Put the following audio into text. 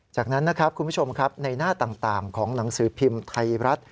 จากนั้นนะครับคุณผู้ชมครับในหน้าต่างของหนังสือพิมพ์ไทยรัฐ